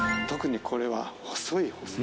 特にこれは細い。